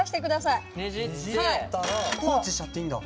放置しちゃっていいんだ。